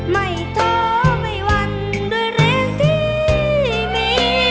ไม่ท้อไม่วันด้วยแรงที่มี